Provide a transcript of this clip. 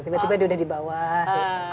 tiba tiba dia udah di bawah